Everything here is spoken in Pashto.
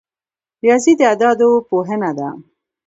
ریاضي د اعدادو پوهنه ده